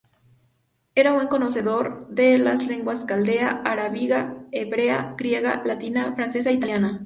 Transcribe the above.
Era buen conocedor de las lenguas caldea, arábiga, hebrea, griega, latina, francesa e italiana.